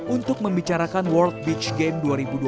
untuk membicarakan world beach game dua ribu dua puluh